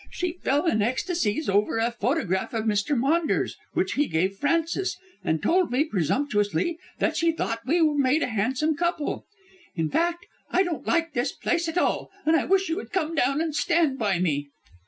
She fell in ecstacies over a photograph of Mr. Maunders, which he gave Frances, and told me, presumptuously, that she thought we made a handsome couple. In fact, I don't like this place at all, and I wish you would come down and stand by me."